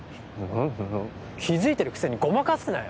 気付いてるくせにごまかすなよ。